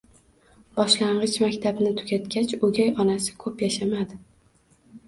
Boshlang'ich maktabni tugatgach, o'gay onasi ko'p yashamadi.